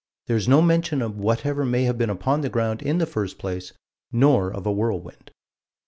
There is no mention of whatever may have been upon the ground in the first place, nor of a whirlwind.